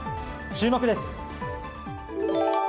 注目です。